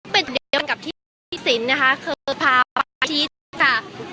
เป็นเดียวกับที่สินนะคะเคยพาไปชี้ค่ะ